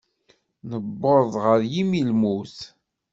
Newweḍ ɣer yimi n lmut.